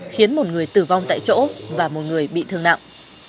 khiến một người tử vong tại chỗ và một người bị thương nặng